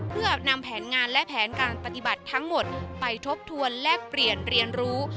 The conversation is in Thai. เพื่อนำแผนงานและแผนการปฏิบัติทั้งหมดไปทบทวนแลกเปลี่ยนเรียนรู้